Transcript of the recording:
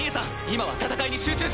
今は戦いに集中して！